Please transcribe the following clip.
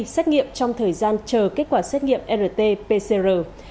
xét nghiệm trong thời gian chờ kết quả xét nghiệm rt pcr